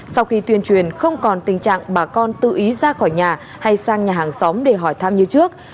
sau khi tuyên truyền không còn tình trạng bà con tự ý ra khỏi nhà hay sang nhà hàng xóm để hỏi thăm như trước